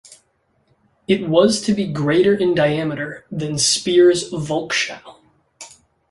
It was to be greater in diameter than Speer's Volkshalle.